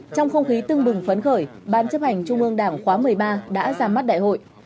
trong không khí tưng bừng phấn khởi ban chấp hành trung ương đảng khóa một mươi ba đã ra mắt đại hội